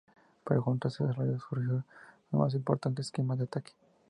Pero junto a este desarrollo surgió el aún más importante esquema de ataque.